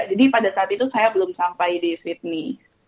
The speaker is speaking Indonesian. jadi pada saat itu saya belum sampai di sydney